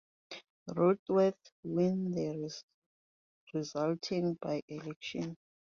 Rushworth won the resulting by-election.